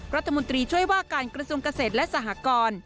รัฐมนตรีช่วยว่าการกระทรวงเกษตรและสหกร